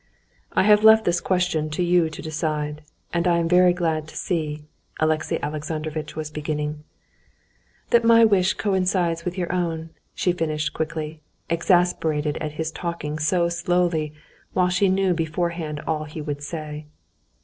"I have left this question to you to decide, and I am very glad to see...." Alexey Alexandrovitch was beginning. "That my wish coincides with your own," she finished quickly, exasperated at his talking so slowly while she knew beforehand all he would say.